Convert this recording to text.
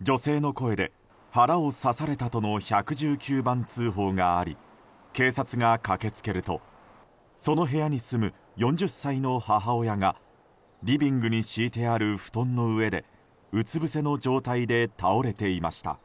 女性の声で腹を刺されたとの１１９番通報があり警察が駆け付けるとその部屋に住む４０歳の母親がリビングに敷いてある布団の上でうつぶせの状態で倒れていました。